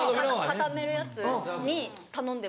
固めるやつに頼んで。